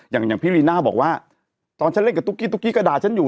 อย่างพี่ลีน่าบอกว่าตอนฉันเล่นกับตุ๊กกีตุ๊กกี้ก็ด่าฉันอยู่